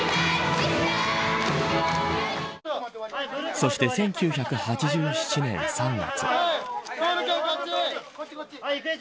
そして、１９８７年３月。